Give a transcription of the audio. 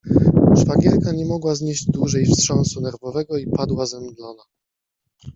Szwagierka nie mogła znieść dłużej wstrząsu nerwowego i padła zemdlona.